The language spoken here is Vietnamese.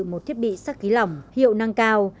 một thiết bị sắc ký lỏng hiệu năng cao